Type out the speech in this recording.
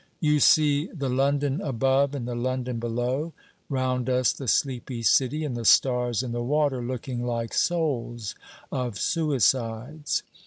You see the London above and the London below: round us the sleepy city, and the stars in the water looking like souls of suicides.